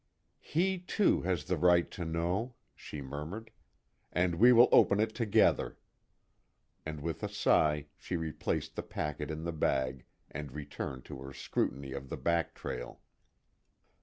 "He, too, has the right to know," she murmured, "And we will open it together." And with a sigh, she replaced the packet in the bag, and returned to her scrutiny of the back trail.